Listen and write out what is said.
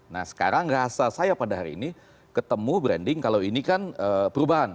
nah sekarang rasa saya pada hari ini ketemu branding kalau ini kan perubahan